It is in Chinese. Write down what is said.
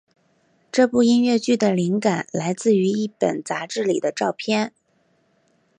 这部音乐剧的灵感来自于一本杂志里的照片。